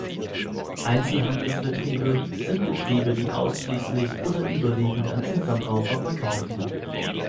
Einzelhandelsbetriebe sind Betriebe, die ausschließlich oder überwiegend an Endverbraucher verkaufen.